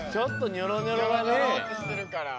ニョロニョロってしてるから。